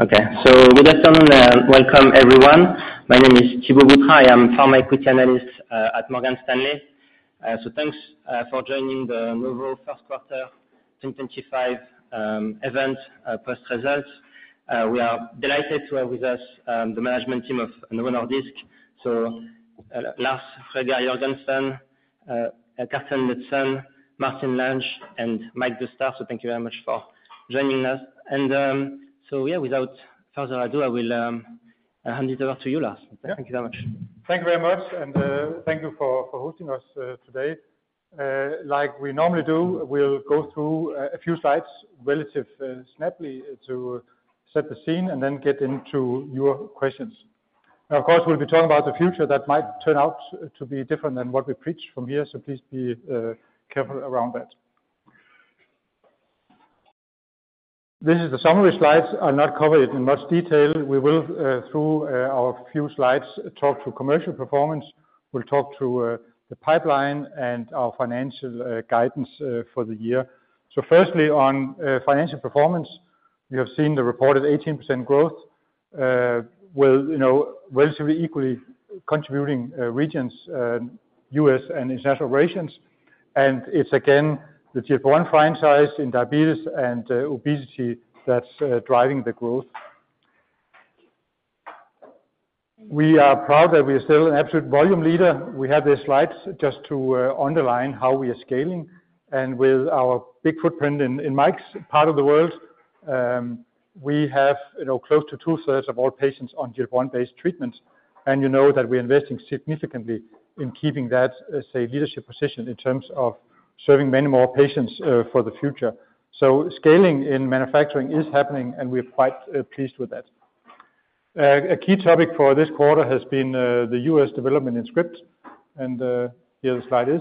Okay. We just wanted to welcome everyone. My name is Thibault Boutherin. I am a pharma equity analyst at Morgan Stanley. Thanks for joining the Novo First Quarter 2025 event, post-results. We are delighted to have with us the management team of Novo Nordisk. Lars Fruergaard Jørgensen, Karsten Knudsen, Martin Lange, and Mike Doustdar. Thank you very much for joining us. Without further ado, I will hand it over to you, Lars. Yeah. Thank you very much. Thank you very much. Thank you for hosting us today. Like we normally do, we'll go through a few slides relatively snappily to set the scene and then get into your questions. Now, of course, we'll be talking about the future that might turn out to be different than what we preach from here. Please be careful around that. This is the summary slides. I'll not cover it in much detail. We will, through our few slides, talk to commercial performance. We'll talk to the pipeline and our financial guidance for the year. Firstly, on financial performance, you have seen the reported 18% growth, with, you know, relatively equally contributing regions, U.S. and international relations. It's again the GLP-1 franchise in diabetes and obesity that's driving the growth. We are proud that we are still an absolute volume leader. We have these slides just to underline how we are scaling. With our big footprint in Mike's part of the world, we have, you know, close to two-thirds of all patients on GLP-1-based treatments. You know that we are investing significantly in keeping that, say, leadership position in terms of serving many more patients for the future. Scaling in manufacturing is happening, and we are quite pleased with that. A key topic for this quarter has been the U.S. development in scripts. Here the slide is.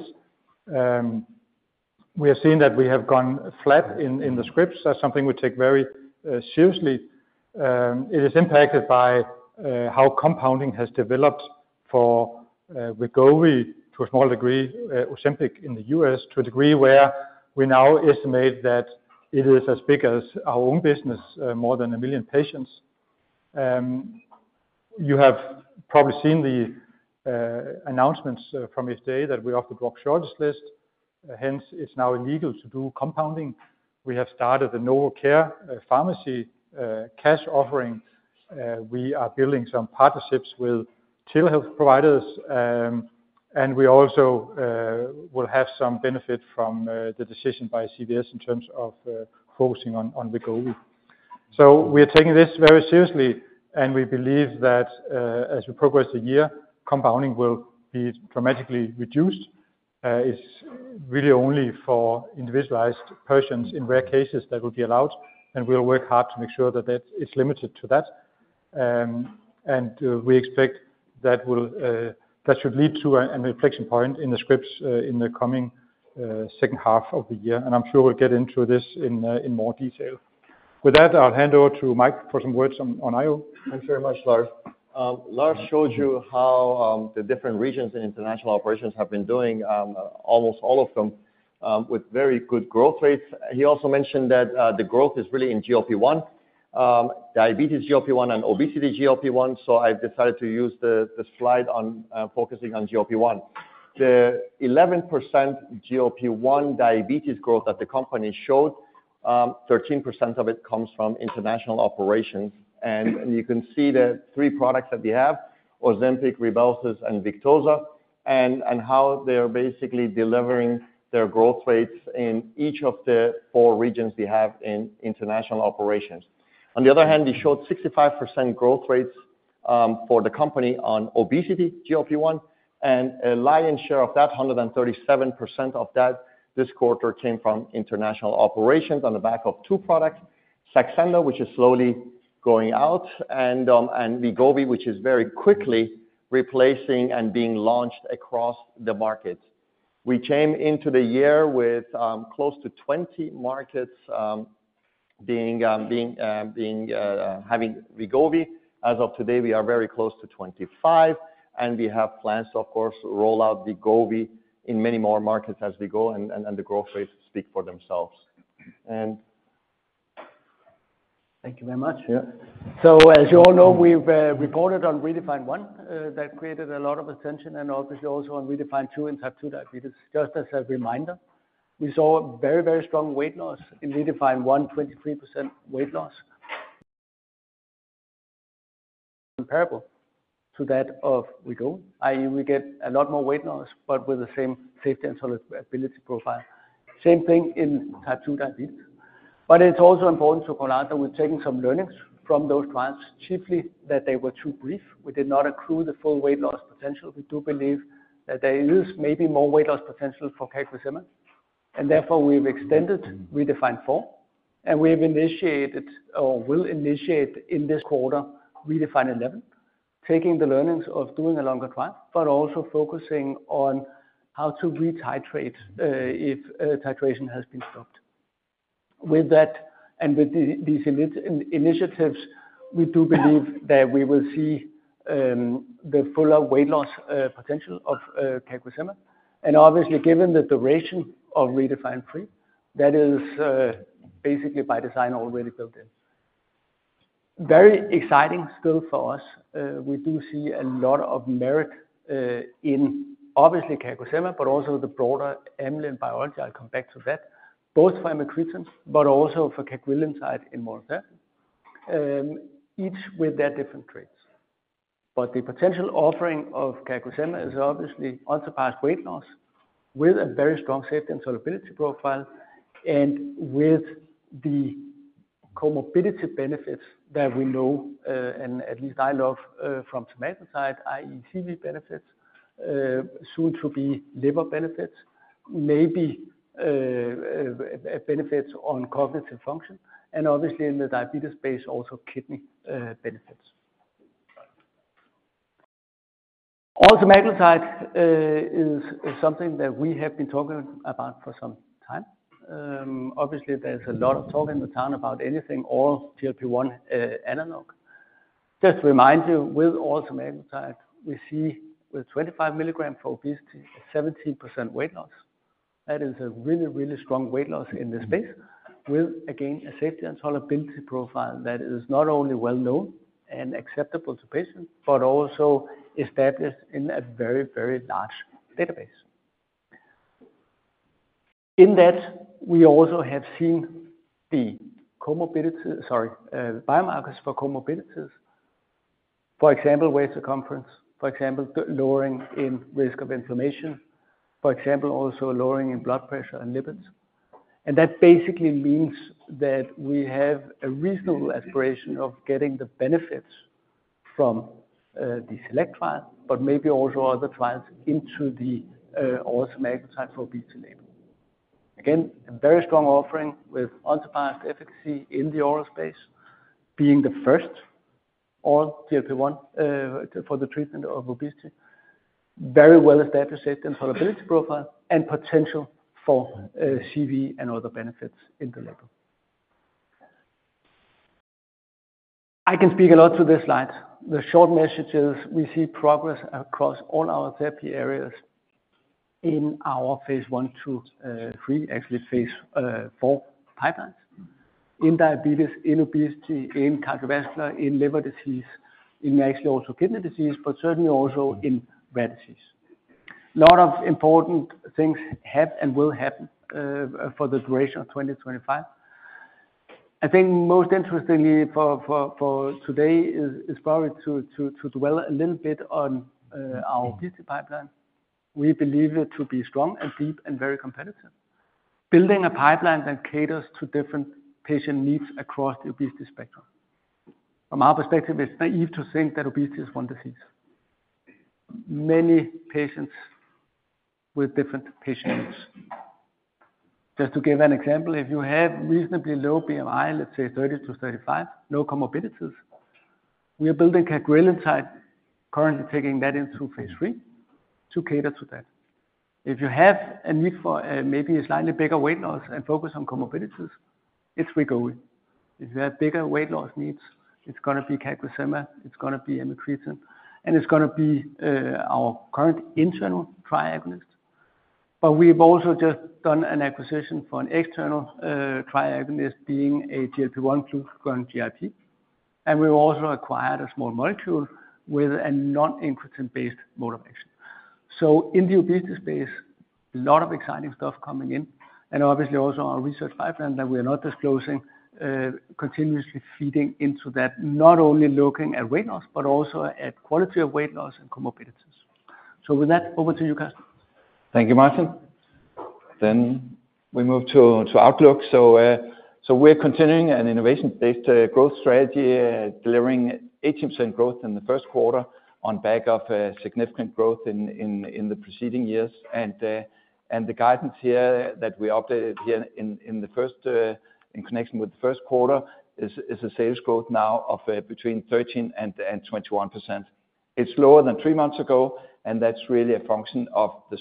We have seen that we have gone flat in the scripts. That is something we take very seriously. It is impacted by how compounding has developed for Wegovy to a small degree, Ozempic in the US to a degree where we now estimate that it is as big as our own business, more than a million patients. You have probably seen the announcements from FDA that we are off the drug shortage list. Hence, it's now illegal to do compounding. We have started the NovoCare Pharmacy cash offering. We are building some partnerships with two health providers. We also will have some benefit from the decision by CVS in terms of focusing on Wegovy. We are taking this very seriously, and we believe that as we progress the year, compounding will be dramatically reduced. It's really only for individualized persons in rare cases that will be allowed. We will work hard to make sure that it's limited to that. We expect that will, that should lead to a reflection point in the scripts in the coming second half of the year. I'm sure we'll get into this in more detail. With that, I'll hand over to Mike for some words on, on IO. Thank you very much, Lars. Lars showed you how the different regions and international operations have been doing, almost all of them, with very good growth rates. He also mentioned that the growth is really in GLP-1, diabetes GLP-1, and obesity GLP-1. I have decided to use the slide on focusing on GLP-1. The 11% GLP-1 diabetes growth that the company showed, 13% of it comes from international operations. You can see the three products that we have: Ozempic, Rybelsus, and Victoza, and how they are basically delivering their growth rates in each of the four regions we have in international operations. On the other hand, we showed 65% growth rates for the company on obesity GLP-1. A lion's share of that, 137% of that, this quarter came from international operations on the back of two products: Saxenda, which is slowly going out, and Wegovy, which is very quickly replacing and being launched across the market. We came into the year with close to 20 markets being, being, having Wegovy. As of today, we are very close to 25. We have plans, of course, to roll out Wegovy in many more markets as we go. The growth rates speak for themselves. Thank you very much. Yeah. As you all know, we've reported on REDEFINE 1, that created a lot of attention and obviously also on REDEFINE 2 in type 2 diabetes. Just as a reminder, we saw a very, very strong weight loss in REDEFINE 1, 23% weight loss, comparable to that of Wegovy. I mean, we get a lot more weight loss, but with the same safety and solid ability profile. Same thing in type 2 diabetes. It is also important to point out that we've taken some learnings from those trials, chiefly that they were too brief. We did not accrue the full weight loss potential. We do believe that there is maybe more weight loss potential for CagriSema. Therefore, we've extended REDEFINE 4. We have initiated, or will initiate in this quarter, REDEFINE 11, taking the learnings of doing a longer trial, but also focusing on how to re-titrate if titration has been stopped. With that and with these initiatives, we do believe that we will see the fuller weight loss potential of CagriSema. Obviously, given the duration of REDEFINE 3, that is basically by design already built in. Very exciting still for us. We do see a lot of merit in obviously CagriSema, but also the broader amylin biology. I'll come back to that, both for amycretin, but also for cagrilintide and, each with their different traits. The potential offering of CagriSema is obviously unsurpassed weight loss with a very strong safety and tolerability profile and with the comorbidity benefits that we know, and at least I love, from semaglutide, i.e., CV benefits, soon to be liver benefits, maybe, benefits on cognitive function, and obviously in the diabetes space, also kidney benefits. Also, amycretin is something that we have been talking about for some time. Obviously, there's a lot of talk in the town about anything oral GLP-1 analog. Just to remind you, with also amycretin, we see with 25 mg for obesity, 17% weight loss. That is a really, really strong weight loss in this space with, again, a safety and tolerability profile that is not only well known and acceptable to patients, but also established in a very, very large database. In that, we also have seen the comorbidity, sorry, biomarkers for comorbidities, for example, waist circumference, for example, the lowering in risk of inflammation, for example, also lowering in blood pressure and lipids. That basically means that we have a reasonable aspiration of getting the benefits from these SELECT trials, but maybe also other trials into the, also for obesity label. Again, a very strong offering with unsurpassed efficacy in the oral space, being the first oral GLP-1 for the treatment of obesity, very well established safety and solid ability profile, and potential for CV and other benefits in the label. I can speak a lot to this slide. The short message is we see progress across all our therapy areas in our phase I, II, III, actually phase IV pipelines in diabetes, in obesity, in cardiovascular, in liver disease, in actually also kidney disease, but certainly also in rare disease. A lot of important things have and will happen, for the duration of 2025. I think most interestingly for today is probably to dwell a little bit on our obesity pipeline. We believe it to be strong and deep and very competitive, building a pipeline that caters to different patient needs across the obesity spectrum. From our perspective, it's naive to think that obesity is one disease. Many patients with different patient needs. Just to give an example, if you have reasonably low BMI, let's say 30-35, no comorbidities, we are building catecholamine side, currently taking that into phase III to cater to that. If you have a need for, maybe a slightly bigger weight loss and focus on comorbidities, it's Wegovy. If you have bigger weight loss needs, it's gonna be catecholamine, it's gonna be amycretin, and it's gonna be our current internal triagonist. We have also just done an acquisition for an external triagonist being a GLP-1 glucagon GIP. We have also acquired a small molecule with a non-incretin-based mode of action. In the obesity space, a lot of exciting stuff coming in. Obviously also our research pipeline that we are not disclosing, continuously feeding into that, not only looking at weight loss, but also at quality of weight loss and comorbidities. With that, over to you, Karsten. Thank you, Martin. We move to Outlook. We are continuing an innovation-based growth strategy, delivering 18% growth in the first quarter on the back of significant growth in the preceding years. The guidance that we updated here in connection with the first quarter is a sales growth now of between 13% and 21%. It is lower than three months ago, and that is really a function of the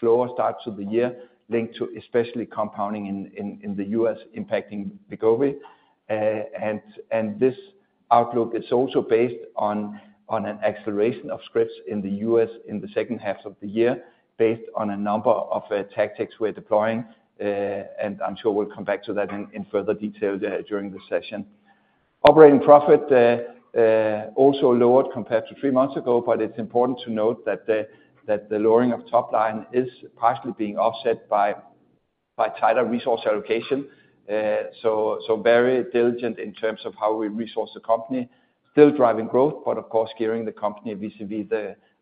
slower start to the year linked to especially compounding in the US impacting Wegovy. This Outlook is also based on an acceleration of scripts in the U.S. in the second half of the year based on a number of tactics we are deploying. I am sure we will come back to that in further detail during the session. Operating profit, also lowered compared to three months ago, but it's important to note that the lowering of top line is partially being offset by tighter resource allocation. Very diligent in terms of how we resource the company, still driving growth, but of course gearing the company vis-à-vis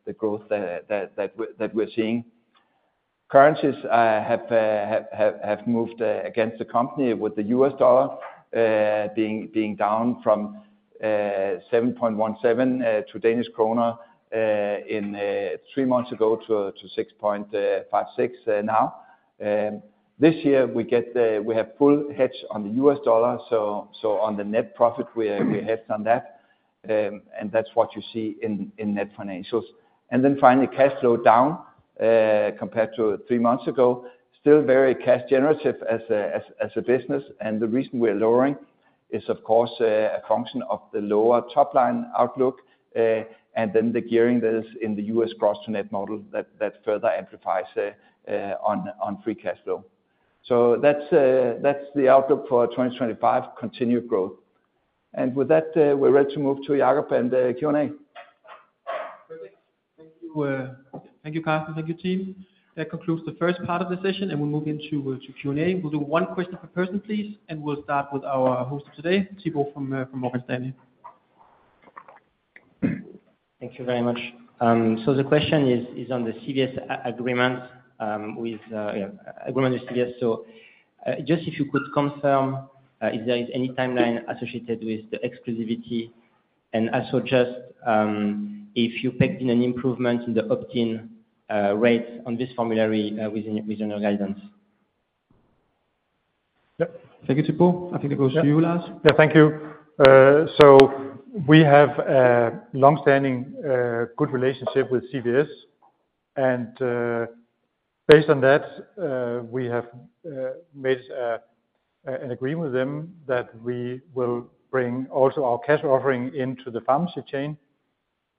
the growth that we're seeing. Currencies have moved against the company with the US dollar being down from 7.17 three months ago to 6.56 now. This year we have full hedge on the US dollar. On the net profit we have done that. That's what you see in net financials. Finally, cash flow down compared to three months ago, still very cash generative as a business. The reason we are lowering is, of course, a function of the lower top line outlook, and then the gearing that is in the U.S. cross-to-net model that further amplifies on free cash flow. That is the outlook for 2025, continued growth. With that, we are ready to move to Jacob and Q&A. Perfect. Thank you, thank you, Karsten, thank you, team. That concludes the first part of the session, and we will move into Q&A. We will do one question per person, please. We will start with our host of today, Thibault from Morgan Stanley. Thank you very much. The question is on the CVS agreement, agreement with CVS. Just if you could confirm if there is any timeline associated with the exclusivity and also just if you pegged in an improvement in the opt-in rates on this formulary within your guidance. Yep. Thank you, Thibault. I think it goes to you, Lars. Yeah, thank you. We have a longstanding, good relationship with CVS. Based on that, we have made an agreement with them that we will bring also our cash offering into the pharmacy chain.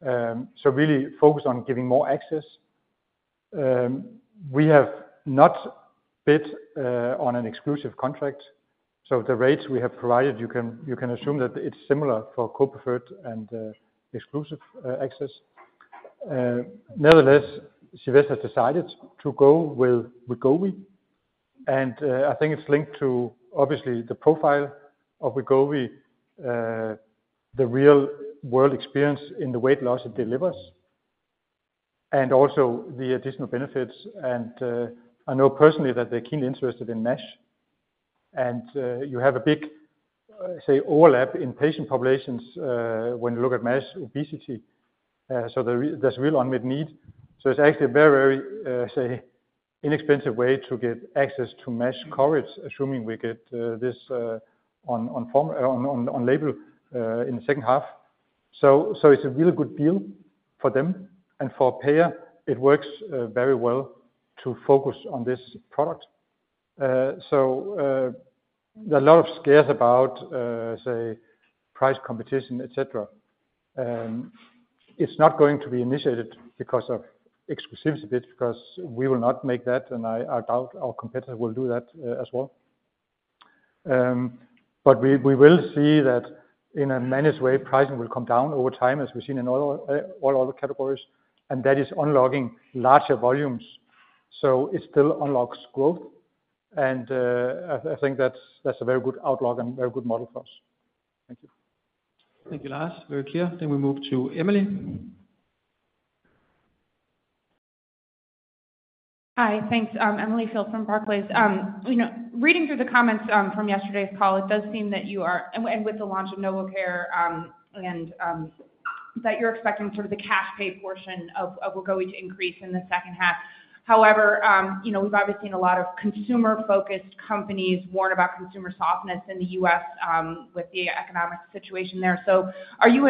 We really focus on giving more access. We have not bid on an exclusive contract. The rates we have provided, you can assume that it's similar for co-preferred and exclusive access. Nevertheless, CVS has decided to go with Wegovy. I think it's linked to obviously the profile of Wegovy, the real world experience in the weight loss it delivers, and also the additional benefits. I know personally that they're keenly interested in MASH. You have a big, say, overlap in patient populations when you look at MASH obesity. There is real unmet need. It's actually a very, very, say, inexpensive way to get access to MASH coverage, assuming we get this on label in the second half. It's a really good deal for them. For a payer, it works very well to focus on this product. There are a lot of scares about, say, price competition, et cetera. It's not going to be initiated because of exclusivity bids because we will not make that. I doubt our competitor will do that as well. We will see that in a managed way, pricing will come down over time as we've seen in all other categories. That is unlocking larger volumes. It still unlocks growth. I think that's a very good outlook and very good model for us. Thank you. Thank you, Lars. Very clear. We move to Emily. Hi, thanks. Emily Field from Barclays. You know, reading through the comments from yesterday's call, it does seem that you are, and with the launch of NovoCare, that you're expecting sort of the cash pay portion of Wegovy to increase in the second half. However, you know, we've obviously seen a lot of consumer-focused companies warn about consumer softness in the U.S., with the economic situation there. Are you,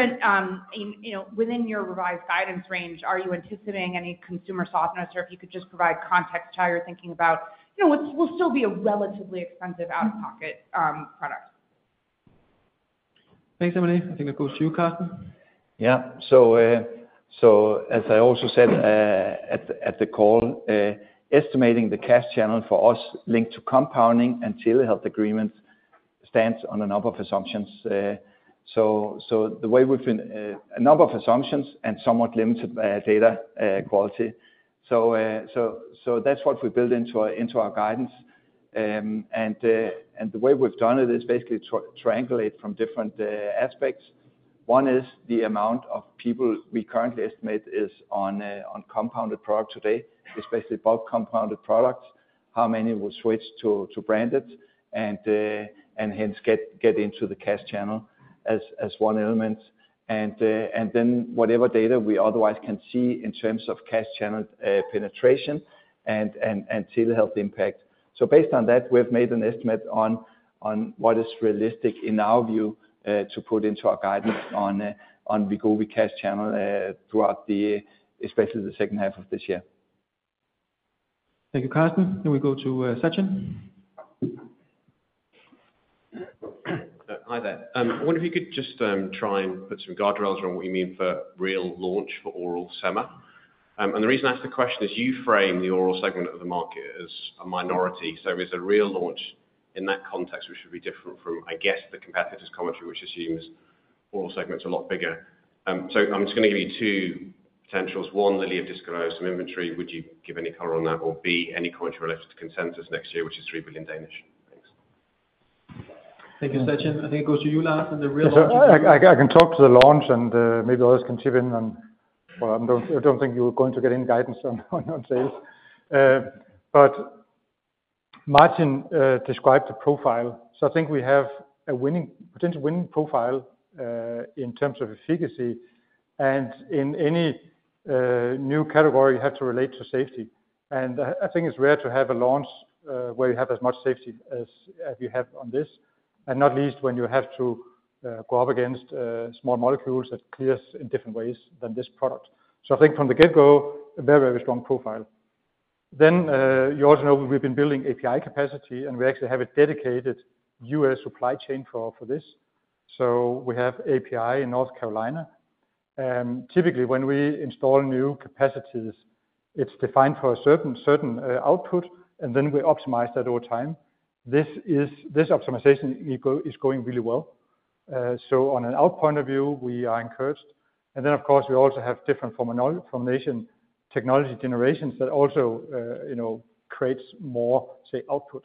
within your revised guidance range, anticipating any consumer softness? If you could just provide context to how you're thinking about, you know, what would still be a relatively expensive out-of-pocket product? Thanks, Emily. I think it goes to you, Karsten. Yeah. As I also said at the call, estimating the cash channel for us linked to compounding and telehealth agreements stands on a number of assumptions. The way we've been, a number of assumptions and somewhat limited data quality. That's what we built into our guidance. The way we've done it is basically triangulate from different aspects. One is the amount of people we currently estimate is on compounded product today, especially bulk compounded products, how many will switch to branded and hence get into the cash channel as one element. Then whatever data we otherwise can see in terms of cash channel penetration and telehealth impact. Based on that, we've made an estimate on what is realistic in our view to put into our guidance on Wegovy cash channel, throughout the, especially the second half of this year. Thank you, Karsten. We go to Sachin. Hi there. I wonder if you could just try and put some guardrails around what you mean for real launch for oral sema. The reason I ask the question is you frame the oral segment of the market as a minority. Is a real launch in that context, which would be different from, I guess, the competitor's commentary, which assumes oral segments are a lot bigger? I am just gonna give you two potentials. One, the leave of disclose some inventory. Would you give any color on that? Or, any commentary related to consensus next year, which is 3 billion? Thanks. Thank you, Sachin. I think it goes to you, Lars, and the real launch. Yeah, I can talk to the launch and maybe others can chip in on, well, I do not think you are going to get any guidance on sales. Martin described the profile. I think we have a winning, potential winning profile, in terms of efficacy. In any new category, you have to relate to safety. I think it is rare to have a launch where you have as much safety as you have on this. Not least when you have to go up against small molecules that clear in different ways than this product. I think from the get-go, a very, very strong profile. You also know we have been building API capacity and we actually have a dedicated U.S. supply chain for this. We have API in North Carolina. Typically when we install new capacities, it's defined for a certain, certain output, and then we optimize that over time. This optimization is going really well. On an output point of view, we are encouraged. Of course, we also have different formulation technology generations that also, you know, creates more, say, output.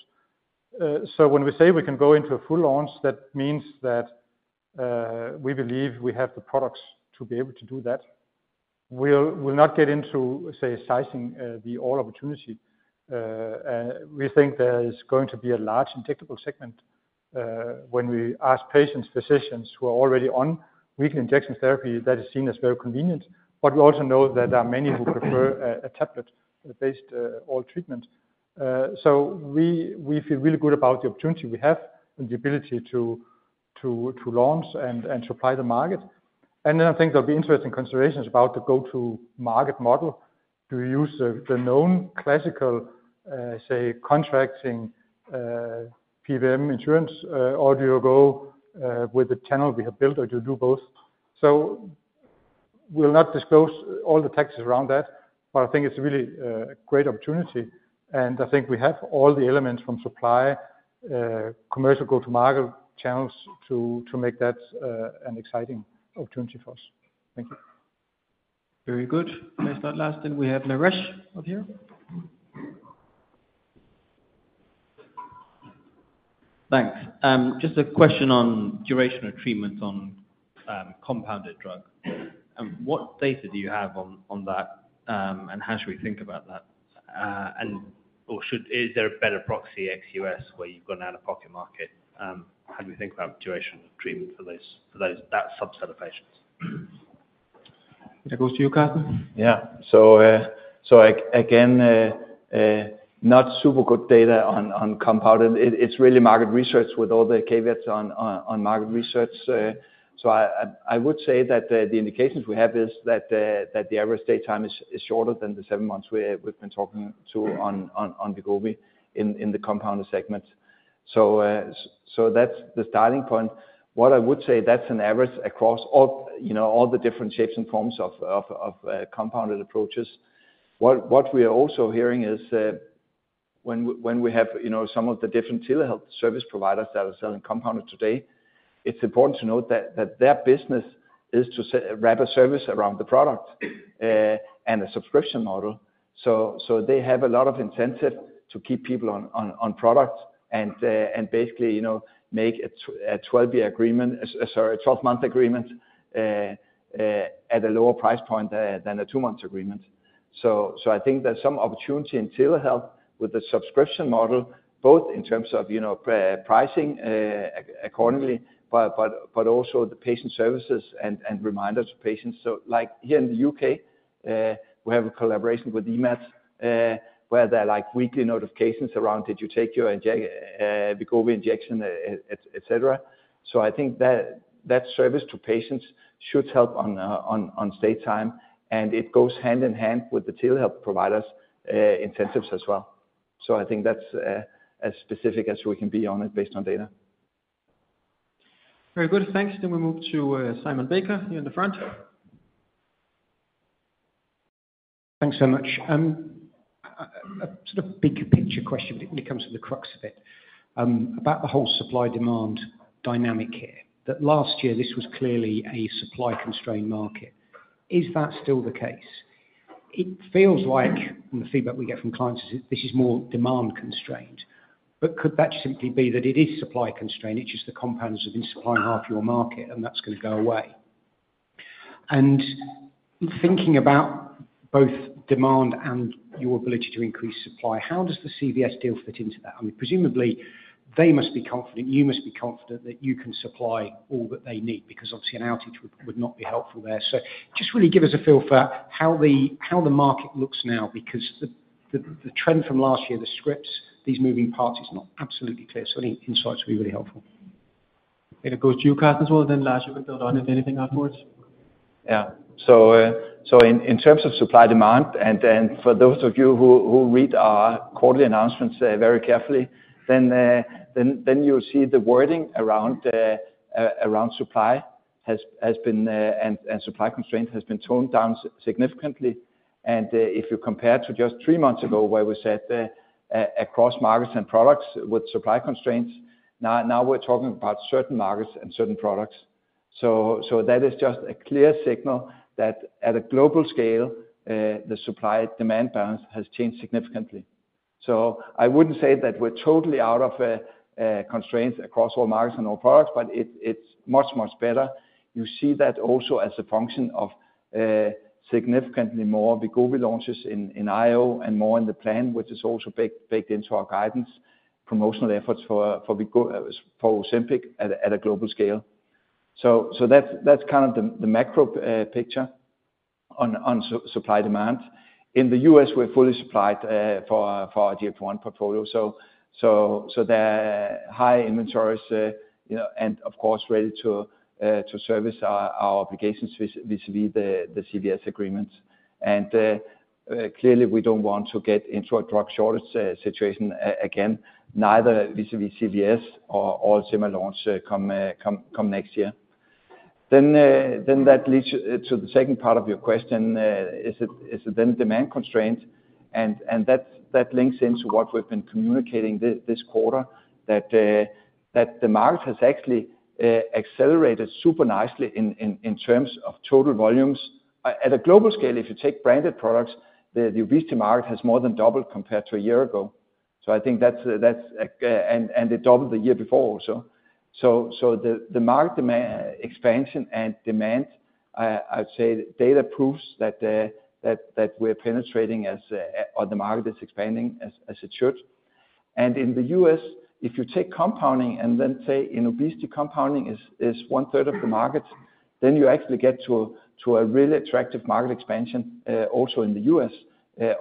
When we say we can go into a full launch, that means that we believe we have the products to be able to do that. We'll not get into, say, sizing the all opportunity. We think there is going to be a large injectable segment. When we ask patients, physicians who are already on weekly injection therapy, that is seen as very convenient. We also know that there are many who prefer a, a tablet-based, oral treatment. We feel really good about the opportunity we have and the ability to launch and supply the market. I think there will be interesting considerations about the go-to-market model. Do you use the known classical, say, contracting, PBM insurance, or do you go with the channel we have built, or do you do both? We will not disclose all the tactics around that, but I think it is really a great opportunity. I think we have all the elements from supply, commercial go-to-market channels to make that an exciting opportunity for us. Thank you. Very good. Next up, Lars. Then we have Naresh up here. Thanks. Just a question on duration of treatment on compounded drug. What data do you have on that? And how should we think about that? Or is there a better proxy ex-U.S. where you've gone out-of-pocket market? How do we think about duration of treatment for those, for those, that subset of patients? That goes to you, Karsten. Yeah. So again, not super good data on compounded. It's really market research with all the caveats on market research. I would say that the indications we have is that the average stay time is shorter than the seven months we've been talking to on Wegovy in the compounded segment. So that's the starting point. What I would say, that's an average across all, you know, all the different shapes and forms of compounded approaches. What we are also hearing is, when we have, you know, some of the different telehealth service providers that are selling compounded today, it's important to note that their business is to wrap a service around the product, and a subscription model. They have a lot of incentive to keep people on product and basically, you know, make a 12-month agreement at a lower price point than a two-month agreement. I think there's some opportunity in telehealth with the subscription model, both in terms of, you know, pricing accordingly, but also the patient services and reminders to patients. Like here in the U.K., we have a collaboration with EMATS, where there are weekly notifications around, did you take your Wegovy injection, et cetera. I think that service to patients should help on stay time. It goes hand in hand with the telehealth providers' incentives as well. I think that's as specific as we can be on it based on data. Very good. Thanks. Then we move to Simon Baker here in the front. Thanks so much. A sort of bigger picture question when it comes to the crux of it, about the whole supply-demand dynamic here, that last year this was clearly a supply-constrained market. Is that still the case? It feels like the feedback we get from clients is this is more demand-constrained. Could that simply be that it is supply-constrained? It's just the compounders have been supplying half your market and that's going to go away. Thinking about both demand and your ability to increase supply, how does the CVS deal fit into that? I mean, presumably they must be confident, you must be confident that you can supply all that they need because obviously an outage would not be helpful there. Just really give us a feel for how the market looks now because the trend from last year, the scripts, these moving parts is not absolutely clear. Any insights would be really helpful. It goes to you, Karsten, as well. Lars, you can build on if anything afterwards. Yeah. In terms of supply-demand, and for those of you who read our quarterly announcements very carefully, you'll see the wording around supply has been, and supply constraint has been toned down significantly. If you compare to just three months ago where we said, across markets and products with supply constraints, now we're talking about certain markets and certain products. That is just a clear signal that at a global scale, the supply-demand balance has changed significantly. I wouldn't say that we're totally out of constraints across all markets and all products, but it's much, much better. You see that also as a function of, significantly more Wegovy launches in, in IO and more in the plan, which is also baked into our guidance, promotional efforts for, for Wegovy, for Ozempic at, at a global scale. That's, that's kind of the macro picture on, on supply-demand. In the U.S., we're fully supplied, for, for our GLP-1 portfolio. There are high inventories, you know, and of course ready to, to service our, our obligations vis-à-vis the, the CVS agreements. Clearly we don't want to get into a drug shortage situation again, neither vis-à-vis CVS or all similar launch, come next year. That leads to the second part of your question, is it, is it then demand constraint? That links into what we've been communicating this quarter, that the market has actually accelerated super nicely in terms of total volumes. At a global scale, if you take branded products, the obesity market has more than doubled compared to a year ago. I think that's, and it doubled the year before also. The market demand expansion and demand, I'd say data proves that we're penetrating as, or the market is expanding as it should. In the U.S., if you take compounding and then say in obesity compounding is one-third of the market, then you actually get to a really attractive market expansion, also in the U.S.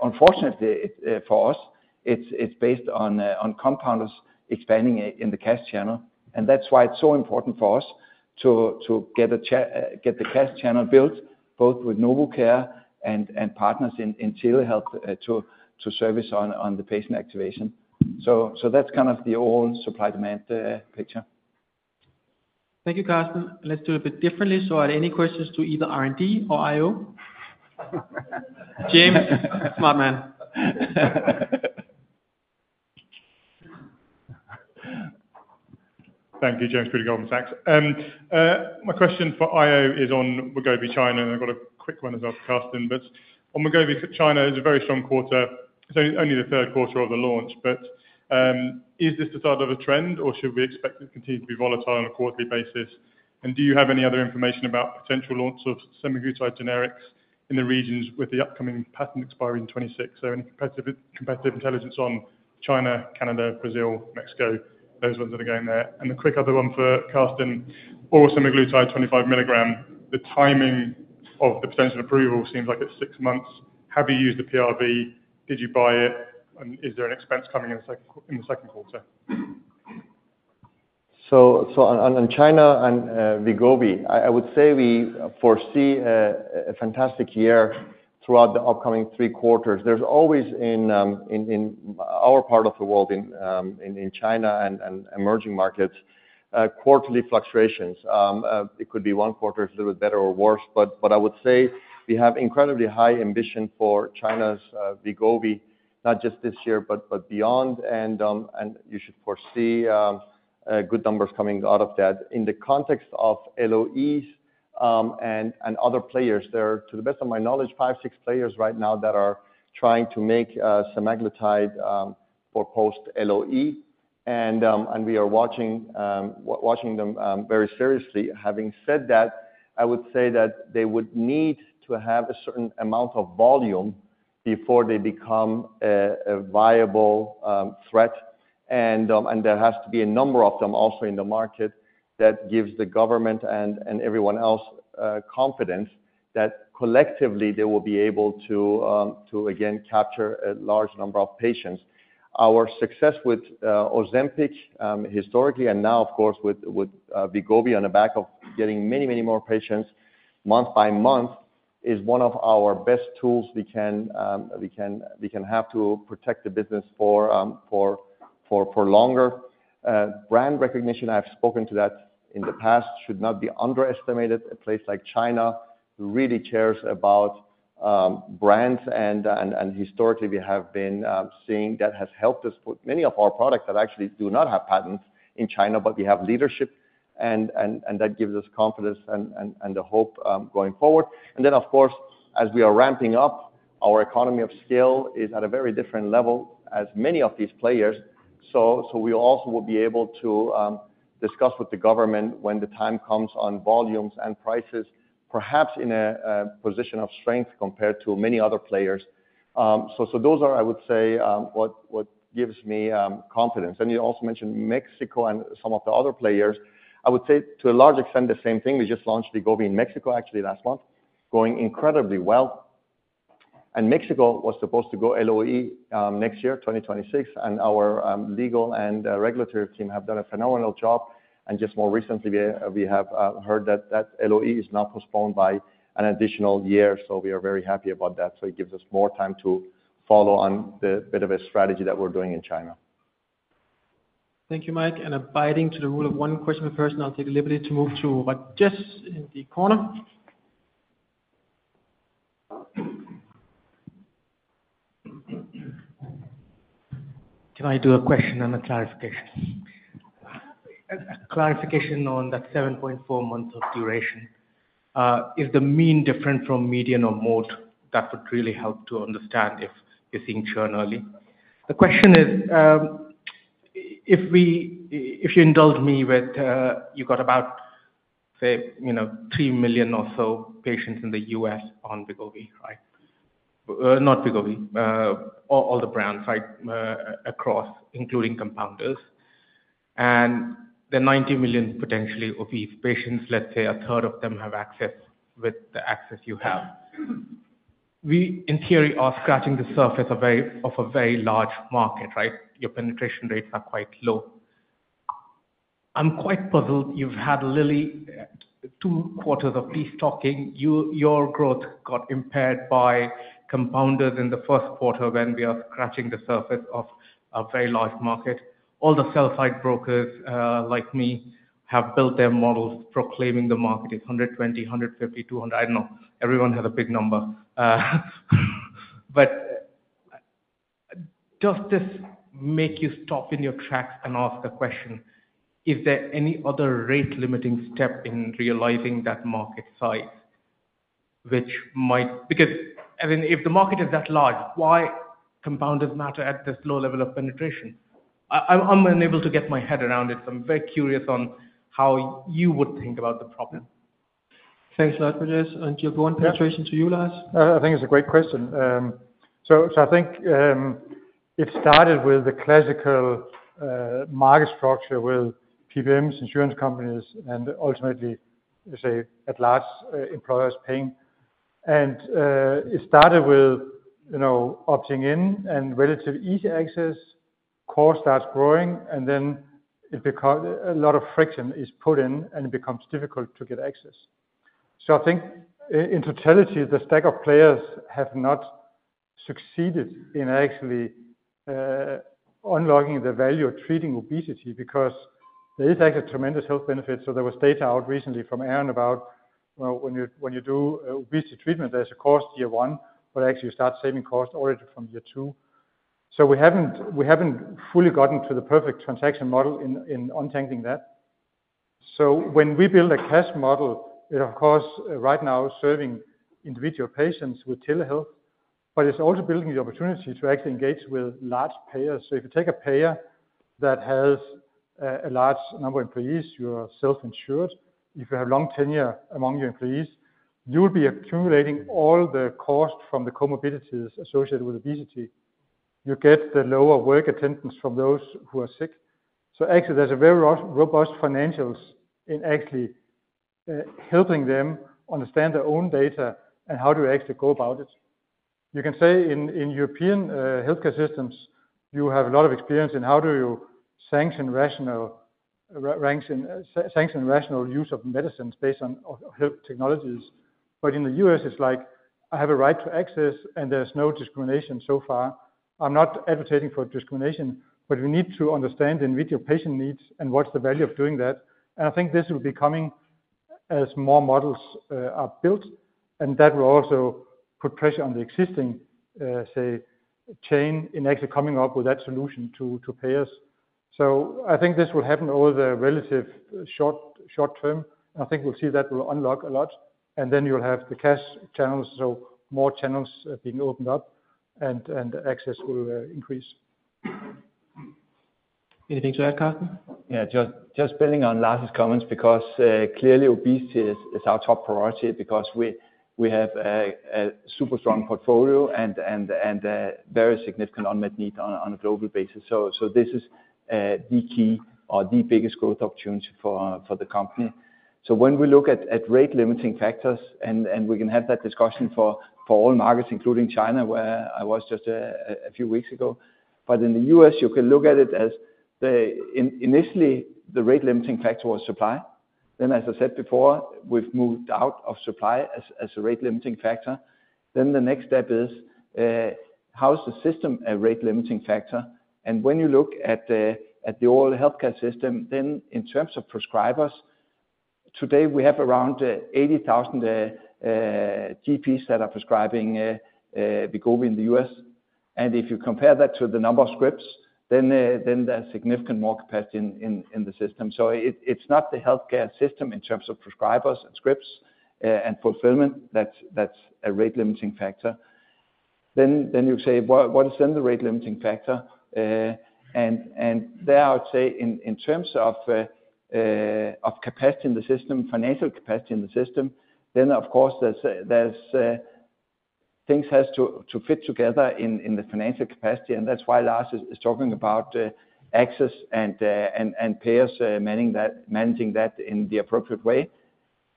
Unfortunately, for us, it's based on compounders expanding in the cash channel. That is why it is so important for us to get the cash channel built both with NovoCare and partners in telehealth, to service on the patient activation. That is kind of the whole supply-demand picture. Thank you, Karsten. Let's do it a bit differently. Are there any questions to either R&D or IO? James, smart man. Thank you, James. Pretty good on the tax. My question for IO is on Wegovy China, and I've got a quick one as well, Karsten. On Wegovy China, it was a very strong quarter. It's only the third quarter of the launch, but is this the start of a trend or should we expect it to continue to be volatile on a quarterly basis? Do you have any other information about potential launch of semaglutide generics in the regions with the upcoming patent expiring in 2026? Any competitive intelligence on China, Canada, Brazil, Mexico, those ones that are going there? A quick other one for Karsten, oral semaglutide 25 mg, the timing of the potential approval seems like it's six months. Have you used the PRV? Did you buy it? Is there an expense coming in the second quarter? On China and Wegovy, I would say we foresee a fantastic year throughout the upcoming three quarters. There is always, in our part of the world, in China and emerging markets, quarterly fluctuations. It could be one quarter is a little bit better or worse, but I would say we have incredibly high ambition for China's Wegovy, not just this year, but beyond. You should foresee good numbers coming out of that in the context of LOEs and other players. There are, to the best of my knowledge, five or six players right now that are trying to make semaglutide for post-LOE. We are watching them very seriously. Having said that, I would say that they would need to have a certain amount of volume before they become a viable threat. There has to be a number of them also in the market that gives the government and everyone else confidence that collectively they will be able to again capture a large number of patients. Our success with Ozempic historically, and now of course with Wegovy on the back of getting many, many more patients month by month, is one of our best tools we can have to protect the business for longer. Brand recognition, I have spoken to that in the past, should not be underestimated. A place like China really cares about brands. Historically, we have been seeing that has helped us put many of our products that actually do not have patents in China, but we have leadership. That gives us confidence and the hope going forward. Of course, as we are ramping up, our economy of scale is at a very different level as many of these players. We also will be able to discuss with the government when the time comes on volumes and prices, perhaps in a position of strength compared to many other players. Those are, I would say, what gives me confidence. You also mentioned Mexico and some of the other players. I would say to a large extent the same thing. We just launched Wegovy in Mexico actually last month, going incredibly well. Mexico was supposed to go LOE next year, 2026. Our legal and regulatory team have done a phenomenal job. Just more recently we have heard that that LOE is now postponed by an additional year. We are very happy about that. It gives us more time to follow on the bit of a strategy that we're doing in China. Thank you, Mike. Abiding to the rule of one question per person, I'll take the liberty to move to what just in the corner. Can I do a question and a clarification? A clarification on that 7.4 months of duration, is the mean different from median or mode? That would really help to understand if you're seeing churn early. The question is, if you indulge me with, you got about, say, you know, 3 million or so patients in the U.S. on Wegovy, right? Not Wegovy, all the brands, right? Across, including compounders. And the 90 million potentially obese patients, let's say a third of them have access with the access you have. We in theory are scratching the surface of a very, of a very large market, right? Your penetration rates are quite low. I'm quite puzzled. You've had Lilly two quarters of peace talking. Your growth got impaired by compounders in the first quarter when we are scratching the surface of a very large market. All the sell-side brokers, like me, have built their models proclaiming the market is 120, 150, 200. I do not know. Everyone has a big number. Does this make you stop in your tracks and ask a question? Is there any other rate-limiting step in realizing that market size, which might, because I mean, if the market is that large, why do compounders matter at this low level of penetration? I am unable to get my head around it. I am very curious on how you would think about the problem. Thanks, Lars. And do you have one penetration to you, Lars? I think it's a great question. I think it started with the classical market structure with PBMs, insurance companies, and ultimately, at large, employers paying. It started with, you know, opting in and relative easy access. Core starts growing, and then a lot of friction is put in, and it becomes difficult to get access. I think in totality, the stack of players have not succeeded in actually unlocking the value of treating obesity because there is actually tremendous health benefits. There was data out recently from Aaron about, well, when you do obesity treatment, there's a cost year one, but actually you start saving cost already from year two. We haven't fully gotten to the perfect transaction model in untangling that. When we build a cash model, it of course, right now serving individual patients with telehealth, but it's also building the opportunity to actually engage with large payers. If you take a payer that has, a large number of employees, you're self-insured. If you have long tenure among your employees, you'll be accumulating all the cost from the comorbidities associated with obesity. You get the lower work attendance from those who are sick. Actually, there's a very robust financials in actually, helping them understand their own data and how do you actually go about it. You can say in, in European healthcare systems, you have a lot of experience in how do you sanction rational, ranks in, sanction rational use of medicines based on, health technologies. In the U.S., it's like, I have a right to access and there's no discrimination so far. I'm not advocating for discrimination, but we need to understand individual patient needs and what's the value of doing that. I think this will be coming as more models are built, and that will also put pressure on the existing, say, chain in actually coming up with that solution to payers. I think this will happen over the relative short, short term. I think we'll see that will unlock a lot. You'll have the cash channels, so more channels are being opened up and access will increase. Anything to add, Karsten? Yeah, just building on Lars' comments because, clearly, obesity is our top priority because we have a super strong portfolio and very significant unmet need on a global basis. This is the key or the biggest growth opportunity for the company. When we look at rate-limiting factors, we can have that discussion for all markets, including China, where I was just a few weeks ago. In the U.S., you can look at it as the, initially, the rate-limiting factor was supply. As I said before, we have moved out of supply as a rate-limiting factor. The next step is, how is the system a rate-limiting factor? When you look at the all healthcare system, then in terms of prescribers, today we have around 80,000 GPs that are prescribing Wegovy in the U.S. If you compare that to the number of scripts, then there is significant more capacity in the system. It is not the healthcare system in terms of prescribers and scripts and fulfillment that is a rate-limiting factor. You say, what is then the rate-limiting factor? There, I would say in terms of capacity in the system, financial capacity in the system, then of course things have to fit together in the financial capacity. That is why Lars is talking about access and payers, managing that in the appropriate way.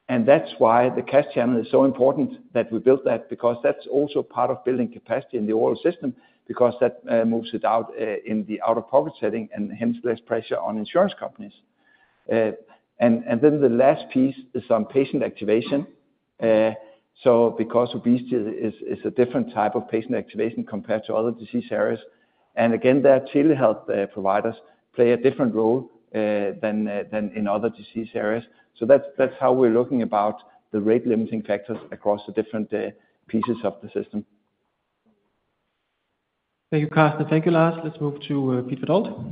That is why the cash channel is so important that we built that because that is also part of building capacity in the oral system because that moves it out in the out-of-pocket setting and hence less pressure on insurance companies. Then the last piece is on patient activation. Obesity is a different type of patient activation compared to other disease areas. Again, telehealth providers play a different role than in other disease areas. That is how we are looking about the rate-limiting factors across the different pieces of the system. Thank you, Karsten. Thank you, Lars. Let's move to Pete Verdult.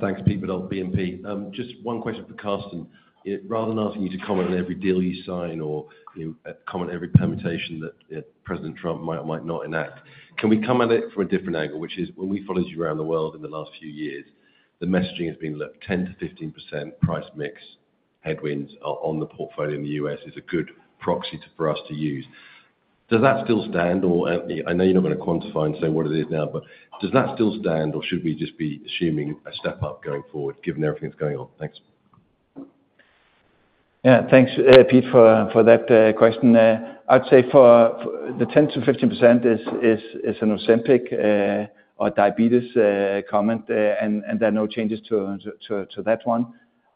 Thanks, Pete Verdult, BNP. Just one question for Karsten. You know, rather than asking you to comment on every deal you sign or, you know, comment on every permutation that, you know, President Trump might, might not enact, can we come at it from a different angle, which is when we followed you around the world in the last few years, the messaging has been look, 10%-15% price mix headwinds on the portfolio in the U.S. is a good proxy for us to use. Does that still stand or, I know you're not gonna quantify and say what it is now, but does that still stand or should we just be assuming a step up going forward given everything that's going on? Thanks. Yeah, thanks, Pete, for that question. I'd say for the 10%-15% is an Ozempic or diabetes comment, and there are no changes to that one.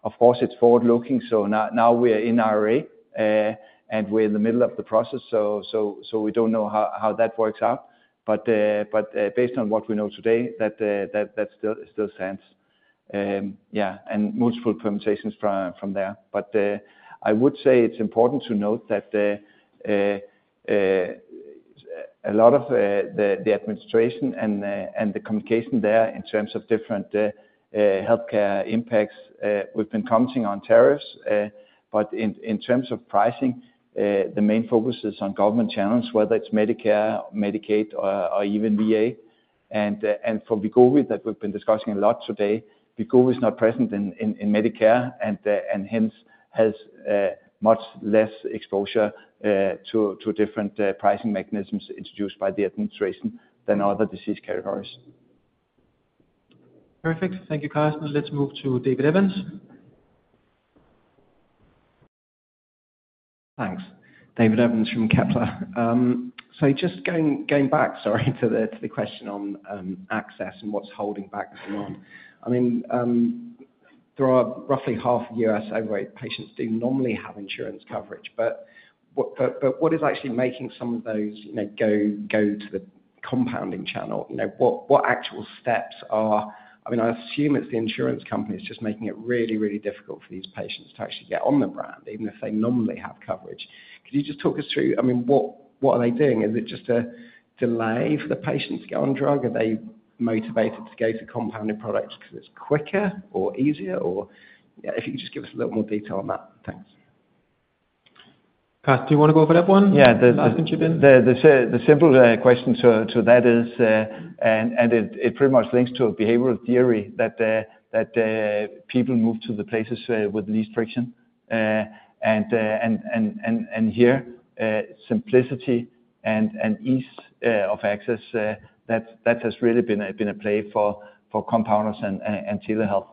Of course, it's forward looking. Now we are in RA, and we're in the middle of the process. We don't know how that works out, but based on what we know today, that still stands. Yeah. And multiple permutations from there. I would say it's important to note that a lot of the administration and the communication there in terms of different healthcare impacts, we've been commenting on tariffs. In terms of pricing, the main focus is on government channels, whether it's Medicare, Medicaid, or even VA. For Wegovy that we've been discussing a lot today, Wegovy is not present in Medicare and hence has much less exposure to different pricing mechanisms introduced by the administration than other disease categories. Perfect. Thank you, Karsten. Let's move to Dave Evans. Thanks, Dave Evans from Kepler. Just going back, sorry, to the question on access and what's holding back the demand. There are roughly half a year or so where patients do normally have insurance coverage. What is actually making some of those, you know, go to the compounding channel? You know, what actual steps are? I mean, I assume it's the insurance companies just making it really, really difficult for these patients to actually get on the brand, even if they normally have coverage. Could you just talk us through, I mean, what are they doing? Is it just a delay for the patient to get on drug? Are they motivated to go to compounded products 'cause it's quicker or easier? If you could just give us a little more detail on that. Thanks. Karsten, do you wanna go for that one? Yeah, the, the. I can chip in. The simple question to that is, and it pretty much links to a behavioral theory that people move to the places with least friction. Here, simplicity and ease of access, that has really been a play for compounders and telehealth.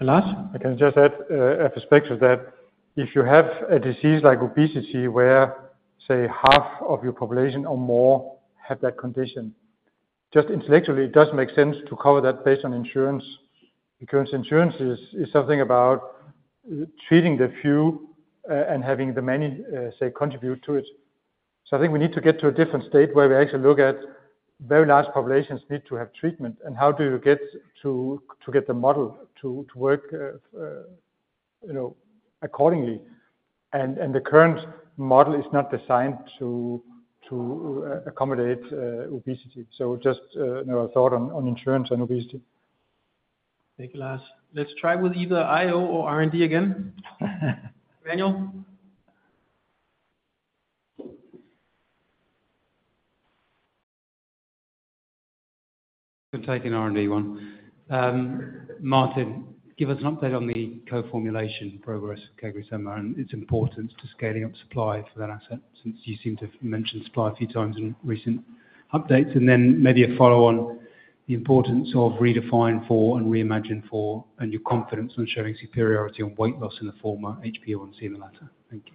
Lars. I can just add, a perspective that if you have a disease like obesity where, say, half of your population or more have that condition, just intellectually, it does make sense to cover that based on insurance because insurance is, is something about treating the few, and having the many, say, contribute to it. I think we need to get to a different state where we actually look at very large populations need to have treatment and how do you get to, to get the model to, to work, you know, accordingly. The current model is not designed to, to, accommodate, obesity. Just, you know, a thought on, on insurance and obesity. Thank you, Lars. Let's try with either IO or R&D again. Daniel? I'm taking R&D one. Martin, give us an update on the co-formulation progress, CagriSema, and its importance to scaling up supply for that asset since you seem to have mentioned supply a few times in recent updates. Then maybe a follow-on, the importance of REDEFINE 4 and REIMAGINE 4 and your confidence on showing superiority on weight loss in the former, HPO and C in the latter. Thank you.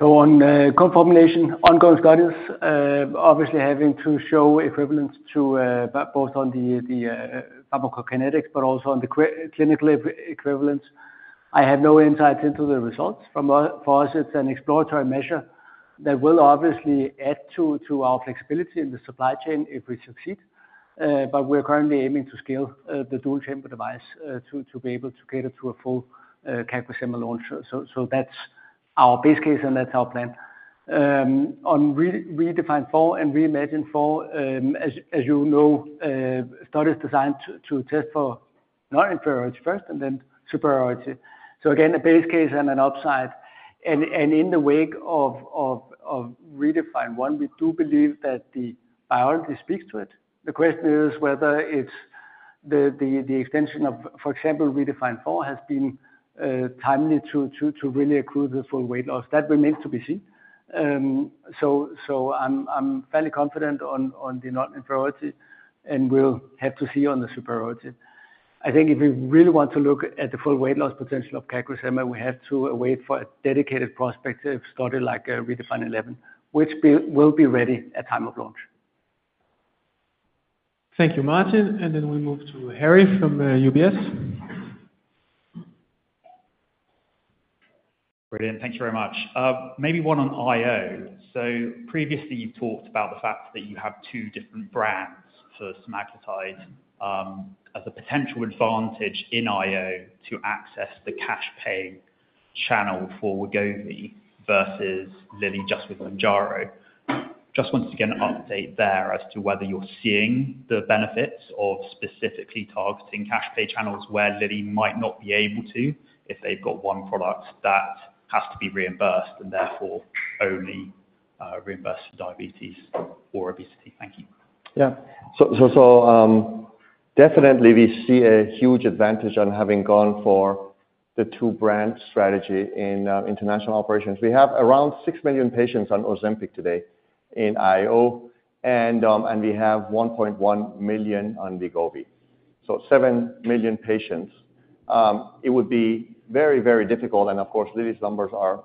On co-formulation, ongoing studies obviously have to show equivalence to both the pharmacokinetics, but also the clinical equivalence. I have no insights into the results. For us, it's an exploratory measure that will obviously add to our flexibility in the supply chain if we succeed. We are currently aiming to scale the dual chamber device to be able to cater to a full CagriSema launch. That's our base case and that's our plan. On REDEFINE 4 and REIMAGINE 4, as you know, studies are designed to test for non-inferiority first and then superiority. Again, a base case and an upside. In the wake of REDEFINE 1, we do believe that the biology speaks to it. The question is whether it's the extension of, for example, REDEFINE 4 has been timely to really accrue the full weight loss. That remains to be seen. I'm fairly confident on the non-inferiority and we'll have to see on the superiority. I think if we really want to look at the full weight loss potential of CagriSema, we have to await a dedicated prospective study like a REDEFINE 11, which will be ready at time of launch. Thank you, Martin. We move to Harry from UBS. Brilliant. Thank you very much. Maybe one on IO. Previously you've talked about the fact that you have two different brands for somaticides, as a potential advantage in IO to access the cash pay channel for Wegovy versus Lilly just with Mounjaro. Just wanted to get an update there as to whether you're seeing the benefits of specifically targeting cash pay channels where Lilly might not be able to if they've got one product that has to be reimbursed and therefore only, reimbursed for diabetes or obesity. Thank you. Yeah. Definitely we see a huge advantage on having gone for the two-brand strategy in international operations. We have around 6 million patients on Ozempic today in IO, and we have 1.1 million on Wegovy. So 7 million patients. It would be very, very difficult. Of course, Lilly's numbers are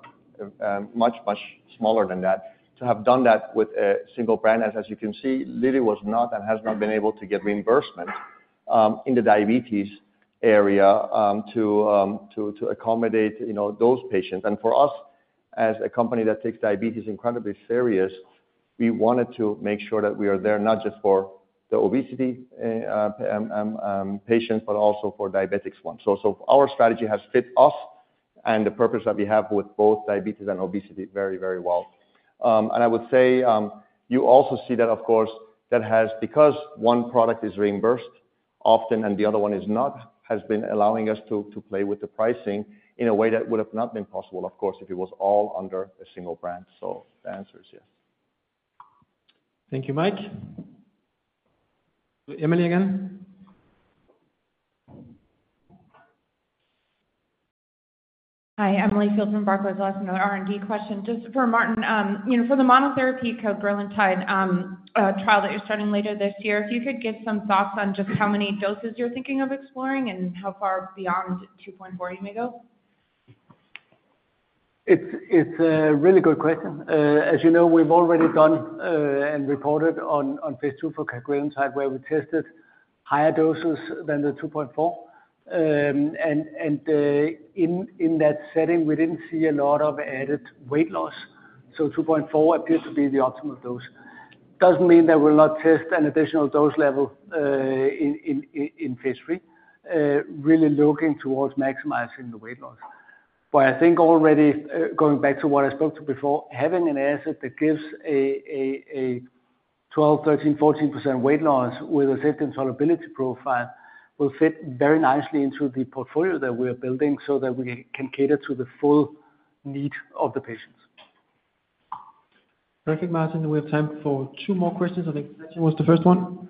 much, much smaller than that to have done that with a single brand. As you can see, Lilly was not and has not been able to get reimbursement in the diabetes area to accommodate, you know, those patients. For us, as a company that takes diabetes incredibly serious, we wanted to make sure that we are there not just for the obesity patients, but also for diabetics one. Our strategy has fit us and the purpose that we have with both diabetes and obesity very, very well. I would say, you also see that, of course, that has, because one product is reimbursed often and the other one is not, has been allowing us to play with the pricing in a way that would not have been possible, of course, if it was all under a single brand. The answer is yes. Thank you, Mike. Emily again. Hi, Emily Field from Barclays. I'll ask another R&D question just for Martin. You know, for the monotherapy cagrilintide trial that you're starting later this year, if you could give some thoughts on just how many doses you're thinking of exploring and how far beyond 2.4 mg you may go. It's a really good question. As you know, we've already done and reported on phase II for cagrilintide, where we tested higher doses than the 2.4 mg, and in that setting, we didn't see a lot of added weight loss. So 2.4 mg appeared to be the optimal dose. Doesn't mean that we'll not test an additional dose level in phase III, really looking towards maximizing the weight loss. I think already, going back to what I spoke to before, having an asset that gives a 12%-14% weight loss with a safety and tolerability profile will fit very nicely into the portfolio that we are building so that we can cater to the full need of the patients. Perfect, Martin. We have time for two more questions. I think that was the first one.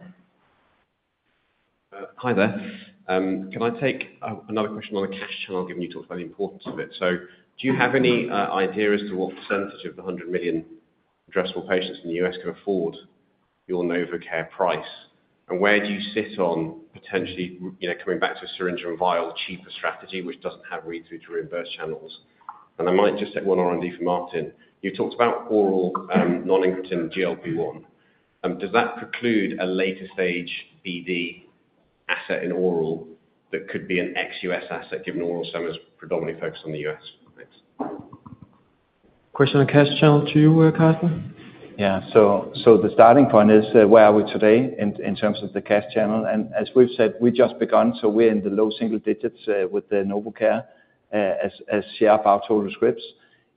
Hi there. Can I take another question on the cash channel given you talked about the importance of it? Do you have any idea as to what percentage of the 100 million addressable patients in the U.S. can afford your NovoCare price? Where do you sit on potentially, you know, coming back to a syringe and vial cheaper strategy, which does not have read-through to reimbursed channels? I might just take one R&D from Martin. You talked about oral, non-incretin GLP-1. Does that preclude a later stage BD asset in oral that could be an ex-U.S. asset given oral stem is predominantly focused on the U.S.? Thanks. Question on the cash channel to you, Karsten. Yeah. The starting point is, where are we today in terms of the cash channel? As we've said, we just begun. We're in the low single digits, with the NovoCare, as share of our total scripts.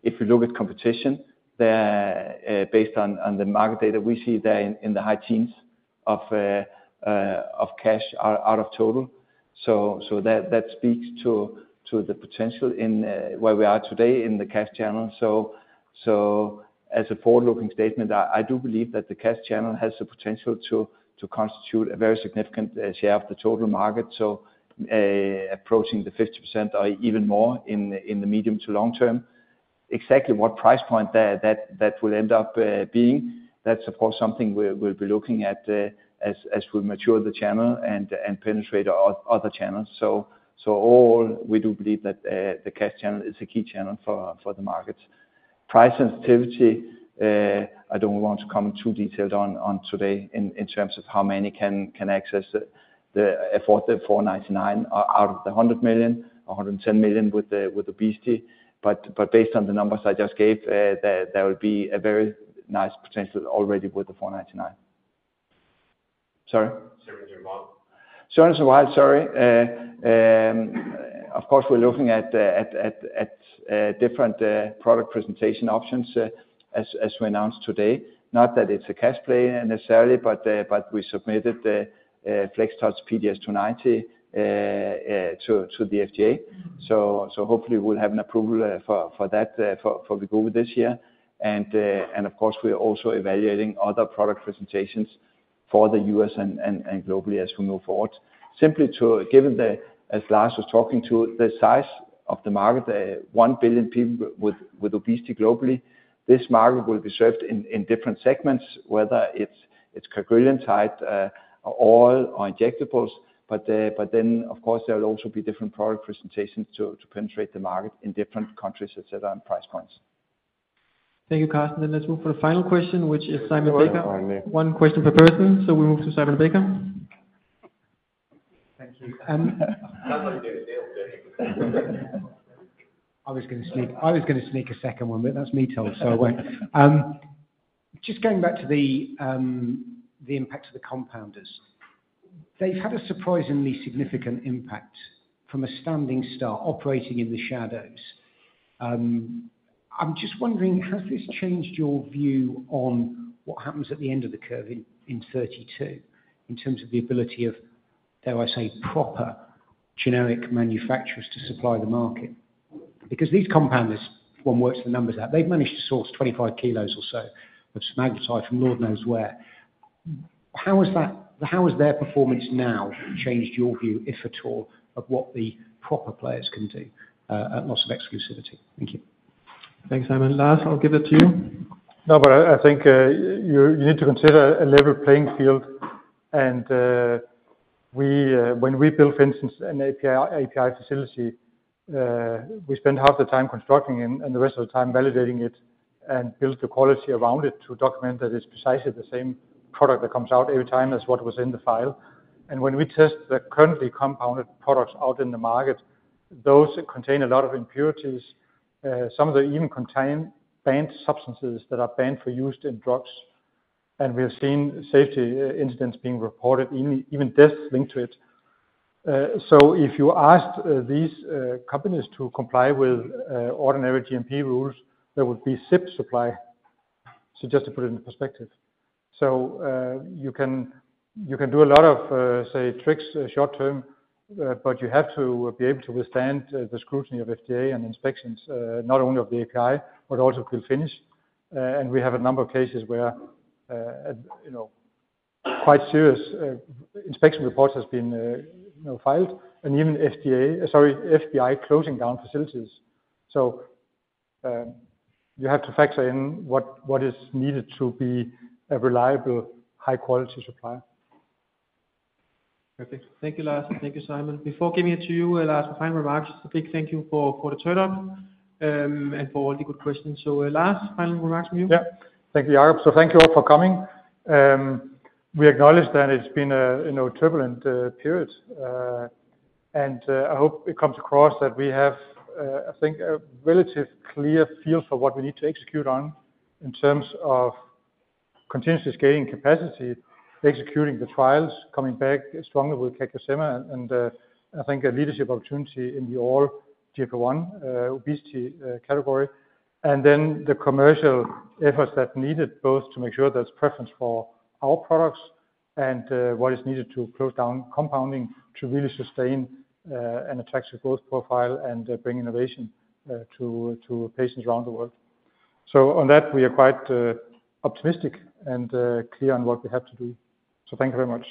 If you look at competition there, based on the market data, we see there in the high teens of cash out of total. That speaks to the potential in where we are today in the cash channel. As a forward looking statement, I do believe that the cash channel has the potential to constitute a very significant share of the total market. Approaching the 50% or even more in the medium to long term, exactly what price point that will end up being, that's of course something we'll be looking at as we mature the channel and penetrate other channels. All we do believe that the cash channel is a key channel for the markets. Price sensitivity, I don't want to come too detailed on today in terms of how many can access, can afford the $499 out of the 100 million, 110 million with obesity. Based on the numbers I just gave, there will be a very nice potential already with the $499. Sorry? Syringe and vial. Syringe and vial. Sorry. Of course we're looking at different product presentation options, as we announced today. Not that it's a cash play necessarily, but we submitted the FlexTouch PDS290 to the FDA. Hopefully we'll have an approval for that for Wegovy this year. Of course we are also evaluating other product presentations for the U.S. and globally as we move forward. Simply given, as Lars was talking to, the size of the market, 1 billion people with obesity globally, this market will be served in different segments, whether it's cagrilintide or oral or injectables. There will also be different product presentations to penetrate the market in different countries, et cetera, and price points. Thank you, Karsten. Let's move for the final question, which is Simon Baker. One more for me. One question per person. We move to Simon Baker. Thank you. I was gonna sneak, I was gonna sneak a second one, but that's me told, so I won't. Just going back to the impact of the compounders, they've had a surprisingly significant impact from a standing start operating in the shadows. I'm just wondering, has this changed your view on what happens at the end of the curve in 2032 in terms of the ability of, dare I say, proper generic manufacturers to supply the market? Because these compounders, one works the numbers out, they've managed to source 25 kg or so of semaglutide from Lord knows where. How has that, how has their performance now changed your view, if at all, of what the proper players can do, at loss of exclusivity? Thank you. Thanks, Simon. Lars, I'll give it to you. No, but I think you need to consider a level playing field and we, when we build, for instance, an API facility, we spend half the time constructing and the rest of the time validating it and build the quality around it to document that it's precisely the same product that comes out every time as what was in the file. When we test the currently compounded products out in the market, those contain a lot of impurities. Some of them even contain substances that are banned for use in drugs. We have seen safety incidents being reported, even death linked to it. If you asked these companies to comply with ordinary GMP rules, there would be supply. Just to put it into perspective. You can do a lot of, say, tricks short term, but you have to be able to withstand the scrutiny of FDA and inspections, not only of the API, but also fill finish. We have a number of cases where, you know, quite serious inspection reports have been, you know, filed and even FDA, sorry, FBI closing down facilities. You have to factor in what is needed to be a reliable, high quality supplier. Perfect. Thank you, Lars. Thank you, Simon. Before giving it to you, Lars, my final remarks, a big thank you for the turnout, and for all the good questions. Lars, final remarks from you? Yeah. Thank you, Jakob. Thank you all for coming. We acknowledge that it's been a, you know, turbulent period. I hope it comes across that we have, I think, a relatively clear field for what we need to execute on in terms of continuously scaling capacity, executing the trials, coming back strongly with CagriSema and, I think, a leadership opportunity in the all GLP-1 obesity category. The commercial efforts are needed both to make sure there's preference for our products and what is needed to close down compounding to really sustain an attractive growth profile and bring innovation to patients around the world. On that, we are quite optimistic and clear on what we have to do. Thank you very much.